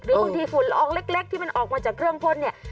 บางทีฝุ่นละอองเล็กที่มันออกมาจากเครื่องพ่นเนี่ย